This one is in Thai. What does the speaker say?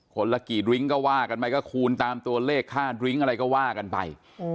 ละกี่ดริ้งก็ว่ากันไปก็คูณตามตัวเลขค่าดริ้งอะไรก็ว่ากันไป